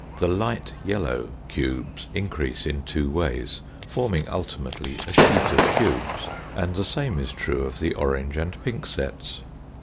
The light yellow cubes increase in two ways, forming ultimately a sheet of cubes, and the same is true of the orange and pink sets.